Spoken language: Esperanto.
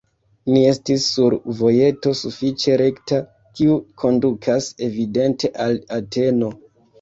Ni estis sur vojeto sufiĉe rekta, kiu kondukas evidente al Ateno.